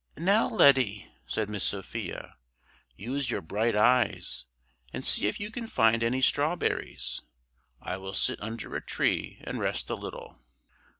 "Now, Letty," said Miss Sophia, "use your bright eyes, and see if you can find any strawberries! I will sit under a tree and rest a little."